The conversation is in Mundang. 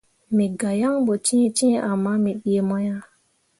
Me gah yaŋ ɓo cẽecẽe ama me ɗii mo ah.